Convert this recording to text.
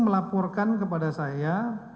melaporkan kepada saya